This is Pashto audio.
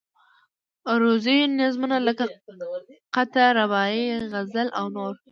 عروضي نظمونه لکه قطعه، رباعي، غزل او نور.